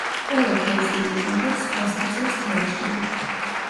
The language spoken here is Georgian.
ყველა თავის ნამუშევრებს ხელს აწერს „ელჩინი“.